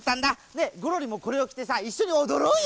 ねえゴロリもこれをきてさいっしょにおどろうよ！